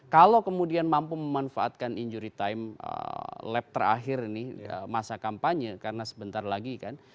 kalau kemudian mampu memanfaatkan injury time lab terakhir ini masa kampanye karena sebentar lagi kan